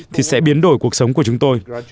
thì sẽ biến đổi cuộc sống của chúng tôi